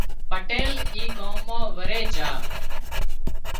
پٽيل اي ڳام وري جھا